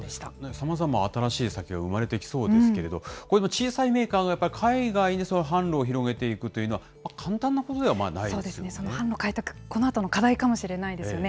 さまざま、新しい酒が生まれてきそうですけれど、こういう小さいメーカーが海外に販路を広げていくというのは、簡そうですね、その販路開拓、このあとの課題かもしれないですよね。